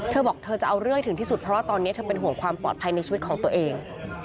เธอบอกเธอจะเอาเรื่อยถึงที่สุดเพราะว่าตอนนี้เธอเป็นห่วงความปลอดภัยในชีวิตของตัวเอง